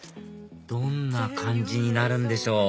どんな感じになるでしょう？